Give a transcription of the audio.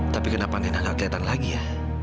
tapi kenapa nenek gak kelihatan lagi ya